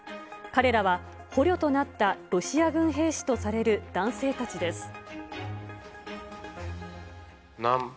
彼らは捕虜となったロシア軍兵士とされる男性たちです。